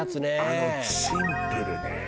あのシンプルね。